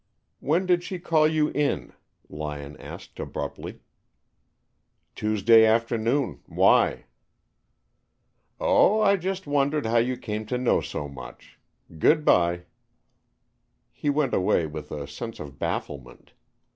"When did she call you in?" Lyon asked abruptly. "Tuesday afternoon. Why?" "Oh, I just wondered how you came to know so much. Good by." He went away with a sense of bafflement.